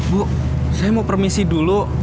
bu saya mau permisi dulu